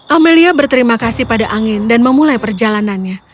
amelia berterima kasih pada angin dan memulai perjalanannya